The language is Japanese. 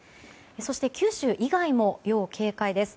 そして九州以外も要警戒です。